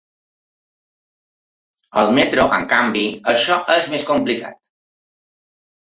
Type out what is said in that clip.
Al metro, en canvi, això és més complicat.